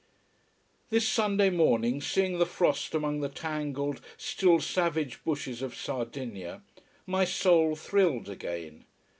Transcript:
_ This Sunday morning, seeing the frost among the tangled, still savage bushes of Sardinia, my soul thrilled again.